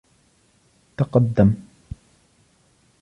تَقَدَم.